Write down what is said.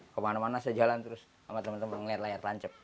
kemana mana saya jalan terus sama temen temen ngeliat layar tancap